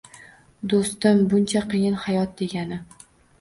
Doʻstim, buncha qiyin hayot degani.